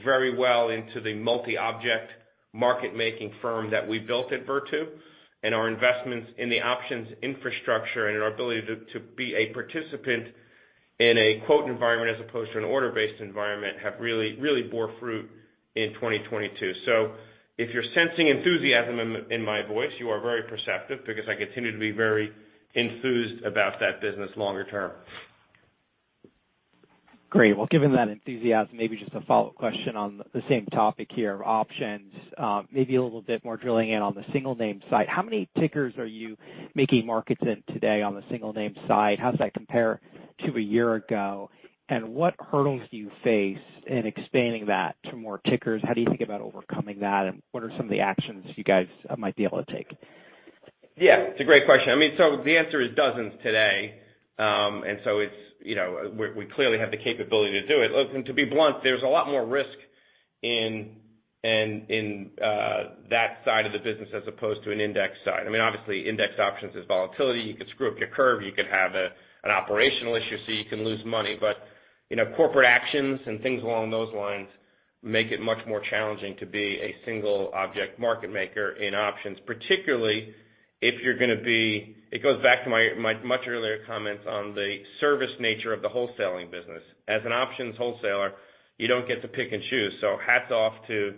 very well into the multi-object market-making firm that we built at Virtu Our investments in the options infrastructure and our ability to be a participant in a quote environment as opposed to an order-based environment have really bore fruit in 2022. If you're sensing enthusiasm in my voice, you are very perceptive because I continue to be very enthused about that business longer term. Great. Well, given that enthusiasm, maybe just a follow-up question on the same topic here of options. Maybe a little bit more drilling in on the single name side. How many tickers are you making markets in today on the single name side? How does that compare to a year ago? What hurdles do you face in expanding that to more tickers? How do you think about overcoming that, and what are some of the actions you guys might be able to take? It's a great question. I mean, the answer is dozens today. It's, you know, we clearly have the capability to do it. To be blunt, there's a lot more risk in that side of the business as opposed to an index side. I mean, obviously, index options is volatility. You could screw up your curve, you could have an operational issue, so you can lose money. You know, corporate actions and things along those lines make it much more challenging to be a single object market maker in options, particularly if you're gonna be. It goes back to my much earlier comments on the service nature of the wholesaling business. As an options wholesaler, you don't get to pick and choose. Hats off to,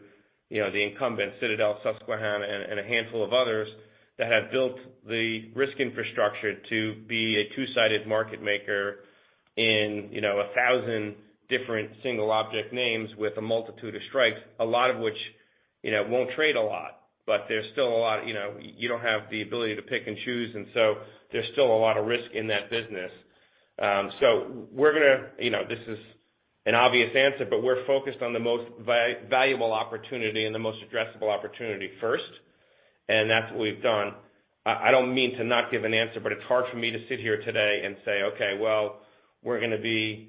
you know, the incumbents, Citadel, Susquehanna, and a handful of others that have built the risk infrastructure to be a two-sided market maker in, you know, 1,000 different single object names with a multitude of strikes, a lot of which, you know, won't trade a lot. There's still a lot. You know, you don't have the ability to pick and choose, and so there's still a lot of risk in that business. You know, this is an obvious answer, but we're focused on the most valuable opportunity and the most addressable opportunity first, and that's what we've done. I don't mean to not give an answer, It's hard for me to sit here today and say, "Okay, well, we're gonna be,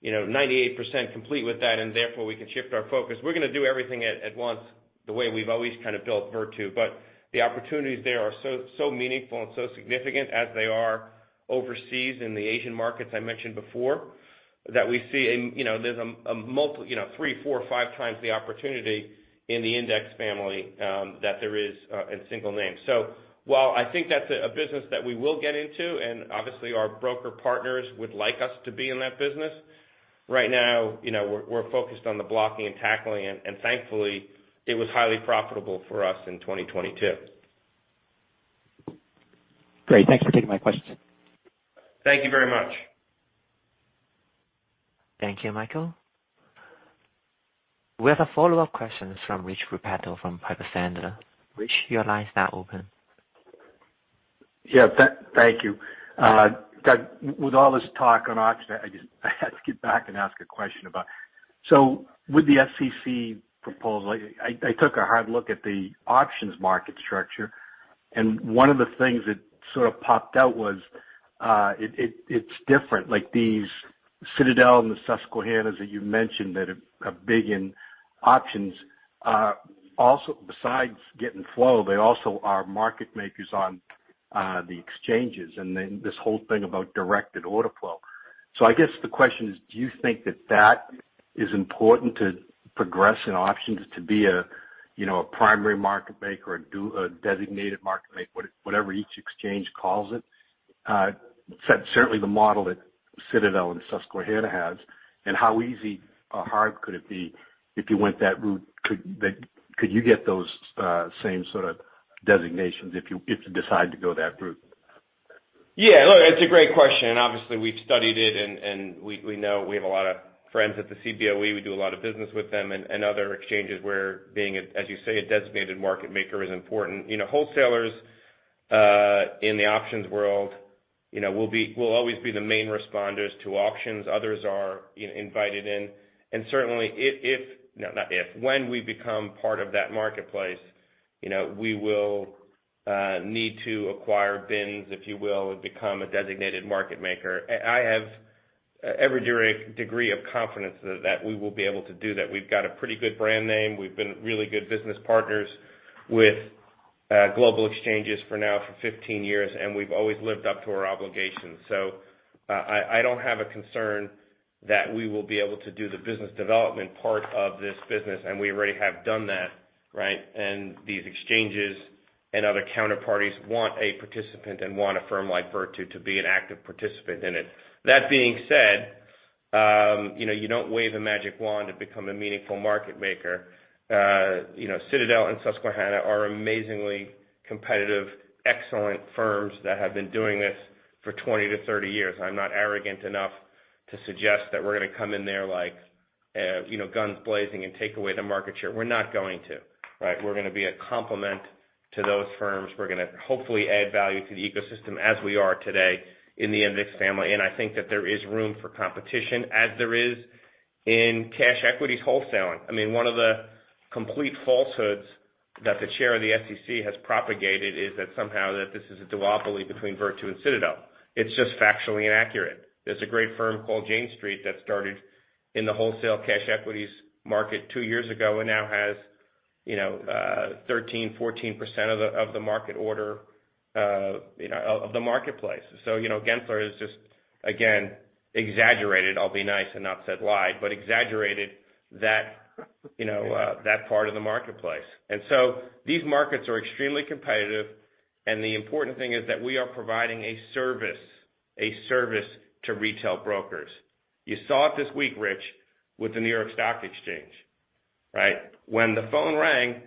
you know, 98% complete with that, and therefore, we can shift our focus." We're gonna do everything at once, the way we've always kind of built Virtu. The opportunities there are so meaningful and so significant as they are overseas in the Asian markets I mentioned before, that we see in. You know, there's you know, three, four, five times the opportunity in the index family, that there is in single name. While I think that's a business that we will get into, and obviously, our broker partners would like us to be in that business, right now, you know, we're focused on the blocking and tackling, and thankfully, it was highly profitable for us in 2022. Great. Thanks for taking my question. Thank you very much. Thank you, Michael. We have a follow-up question from Rich Repetto from Piper Sandler. Rich, your line is now open. Thank you. Doug, with all this talk on auction, I just, I have to get back and ask a question about. With the SEC proposal, I took a hard look at the options market structure, and one of the things that sort of popped out was, it's different. Like these Citadel and the Susquehannas that you mentioned that are big in options are also besides getting flow, they also are market makers on the exchanges and then this whole thing about directed order flow. I guess the question is, do you think that that is important to progress in options to be a, you know, a primary market maker or do a designated market maker, whatever each exchange calls it? Certainly the model that Citadel and Susquehanna has, and how easy or hard could it be if you went that route, Could you get those, same sorta designations if you decide to go that route? Look, it's a great question, and obviously, we've studied it and we know we have a lot of friends at the Cboe. We do a lot of business with them and other exchanges where being a, as you say, a designated market maker is important. You know, wholesalers, in the options world, you know, will always be the main responders to auctions. Others are in-invited in. Certainly if... No, not if, when we become part of that marketplace, you know, we will need to acquire bins, if you will, and become a designated market maker. I have every degree of confidence that we will be able to do that. We've got a pretty good brand name. We've been really good business partners with global exchanges for now for 15 years, and we've always lived up to our obligations. I don't have a concern that we will be able to do the business development part of this business, and we already have done that, right? These exchanges and other counterparties want a participant and want a firm like Virtu to be an active participant in it. That being said, you know, you don't wave a magic wand to become a meaningful market maker. You know, Citadel and Susquehanna are amazingly competitive, excellent firms that have been doing this for 20-30 years. I'm not arrogant enough to suggest that we're gonna come in there like, you know, guns blazing and take away the market share. We're not going to, right? We're gonna be a complement to those firms. We're gonna hopefully add value to the ecosystem as we are today in the index family. I think that there is room for competition as there is in cash equities wholesaling. I mean, one of the complete falsehoods that the chair of the SEC has propagated is that somehow that this is a duopoly between Virtu and Citadel. It's just factually inaccurate. There's a great firm called Jane Street that started in the wholesale cash equities market two years ago and now has, you know, 13%, 14% of the, of the market order, you know, of the marketplace. You know, Gensler is just, again, exaggerated. I'll be nice and not said lied, but exaggerated that part of the marketplace. These markets are extremely competitive, and the important thing is that we are providing a service, a service to retail brokers. You saw it this week, Rich, with the New York Stock Exchange, right? When the phone rang,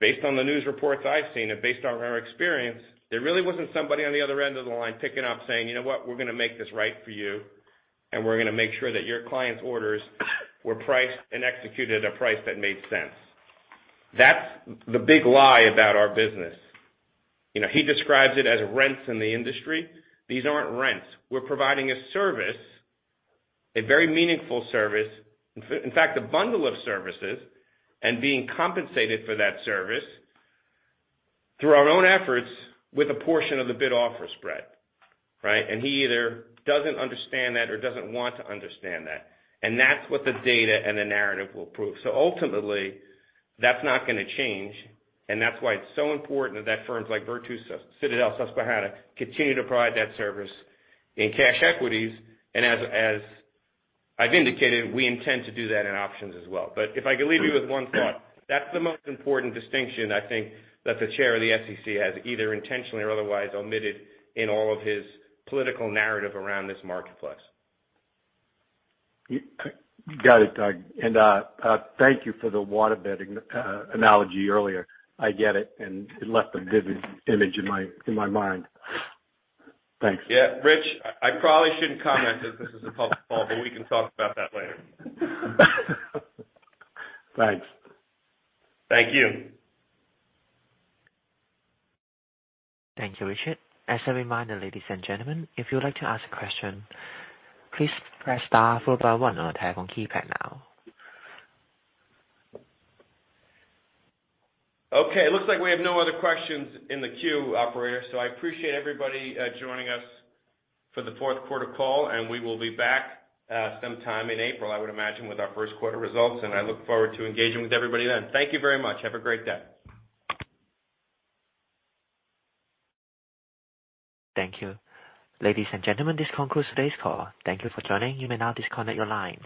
based on the news reports I've seen and based on our experience, there really wasn't somebody on the other end of the line picking up saying, "You know what? We're gonna make this right for you, and we're gonna make sure that your clients' orders were priced and executed a price that made sense." That's the big lie about our business. You know, he describes it as rents in the industry. These aren't rents. We're providing a service, a very meaningful service. In fact, a bundle of services, and being compensated for that service through our own efforts with a portion of the bid-offer spread, right? He either doesn't understand that or doesn't want to understand that. That's what the data and the narrative will prove. Ultimately, that's not going to change, and that's why it's so important that firms like Virtu, Citadel, Susquehanna continue to provide that service in cash equities. As I've indicated, we intend to do that in options as well. If I could leave you with one thought, that's the most important distinction I think that the chair of the SEC has either intentionally or otherwise omitted in all of his political narrative around this marketplace. Got it, Doug. Thank you for the waterbed analogy earlier. I get it, and it left a vivid image in my, in my mind. Thanks. Yeah. Rich, I probably shouldn't comment since this is a public call. We can talk about that later. Thanks. Thank you. Thank you, Richard. As a reminder, ladies and gentlemen, if you would like to ask a question, please press star followed by one on your telephone keypad now. Okay, looks like we have no other questions in the queue, operator. I appreciate everybody joining us for the fourth quarter call, and we will be back sometime in April, I would imagine, with our first quarter results, and I look forward to engaging with everybody then. Thank you very much. Have a great day. Thank you. Ladies and gentlemen, this concludes today's call. Thank you for joining. You may now disconnect your lines.